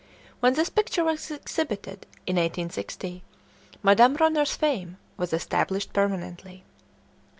When this picture was exhibited, in 1860, Madame Ronner's fame was established permanently.